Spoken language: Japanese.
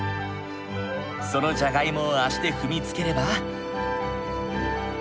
そのじゃがいもを足で踏みつければ。